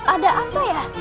ada apa ya